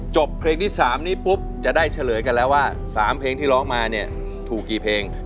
จบเพลงที่๓นี้ปุ๊บจะได้เฉลยกันแล้วว่า๓เพลงที่ร้องมาเนี่ยถูกกี่เพลง